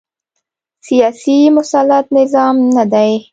سیاسي مسلط نظام نه دی